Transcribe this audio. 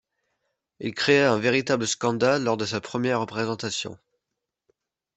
Il créa un véritable scandale lors de sa première représentation.